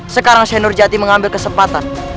sekarang syahin nurjati mengambil kesempatan